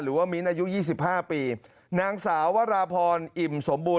มิ้นท์อายุ๒๕ปีนางสาววราพรอิ่มสมบูรณ